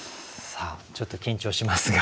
ちょっと緊張しますが。